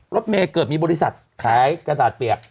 รถเมย์เกิดมีบริษัทขายกระดาษเปียก